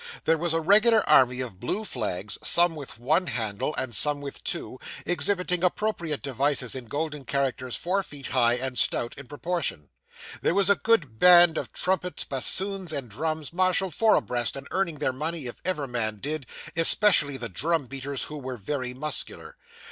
There was a regular army of blue flags, some with one handle, and some with two, exhibiting appropriate devices, in golden characters four feet high, and stout in proportion. There was a grand band of trumpets, bassoons, and drums, marshalled four abreast, and earning their money, if ever men did, especially the drum beaters, who were very muscular.